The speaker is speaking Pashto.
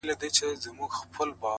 د ظالم لور،